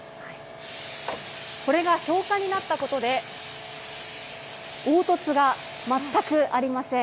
これが昇華になったことで、凹凸が全くありません。